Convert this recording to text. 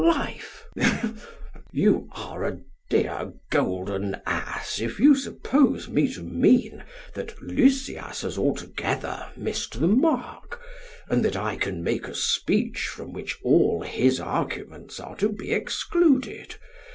SOCRATES: You are a dear golden ass if you suppose me to mean that Lysias has altogether missed the mark, and that I can make a speech from which all his arguments are to be excluded.